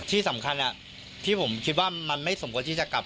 ที่สำคัญที่ผมคิดว่ามันไม่สมควรที่จะกลับ